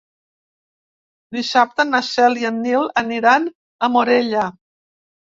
Dissabte na Cel i en Nil aniran a Morella.